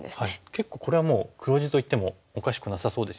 結構これはもう黒地といってもおかしくなさそうですよね。